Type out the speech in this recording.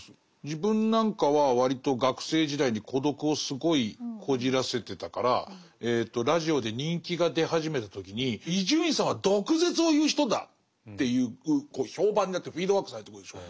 自分なんかは割と学生時代に孤独をすごいこじらせてたからラジオで人気が出始めた時に「伊集院さんは毒舌を言う人だ」っていう評判になってフィードバックされてくるでしょ。